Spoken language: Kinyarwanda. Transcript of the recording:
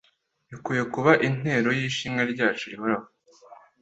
bikwiriye kuba intero y’ishimwe ryacu rihoraho.